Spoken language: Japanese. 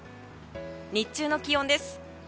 日中の気温です。